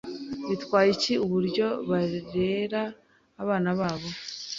Bitwaye iki uburyo barera abana babo?